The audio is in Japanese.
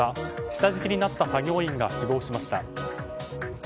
下敷きになった作業員が死亡しました。